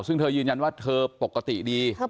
ซึ่งเธอยืนยันว่าเธอปกติดี